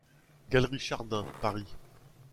Galerie Chardin, Paris.